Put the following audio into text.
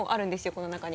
この中に。